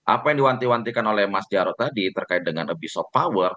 apa yang diwanti wantikan oleh mas jarod tadi terkait dengan abuse of power